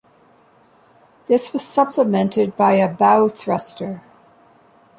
This was supplemented by a bow thruster.